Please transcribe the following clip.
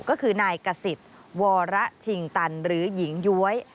ก็คือนายกษิตวรชิงตันหรือหญิงย้วย